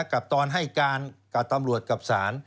กับตอนให้การกับตำรวจกับศาล